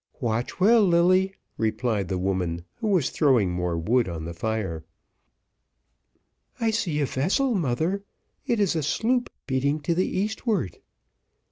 "Watch well, Lilly," replied the woman, who was throwing more wood on the fire. "I see a vessel, mother. It is a sloop beating to the eastward."